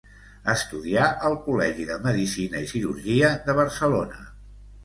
Estudià al Col·legi de Medicina i Cirurgia de Barcelona.